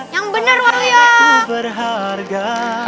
yang bener waduh ya